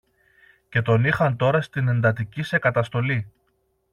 και τον είχαν τώρα στην εντατική σε καταστολή